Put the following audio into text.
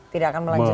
tidak akan melanjutkan